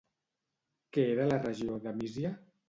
Què era la regió de Mísia?